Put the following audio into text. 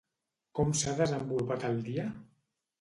Com s'ha desenvolupat el dia?